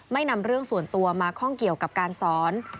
นำเรื่องส่วนตัวมาข้องเกี่ยวกับการสอน